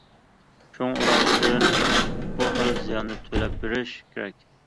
شۇڭا، ئۇلار ئۈچۈن بۇ خىل زىياننى تۆلەپ بېرىش كېرەك.